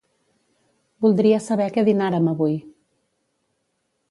Voldria saber què dinàrem avui.